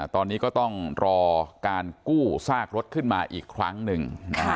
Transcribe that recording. ตอนนี้ก็ต้องรอการกู้ซากรถขึ้นมาอีกครั้งหนึ่ง